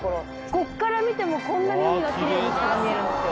こっから見てもこんなに海がキレイに下が見えるんですよ。